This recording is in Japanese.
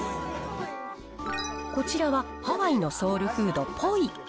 こちらはハワイのソウルフード、ポイ。